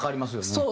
そう。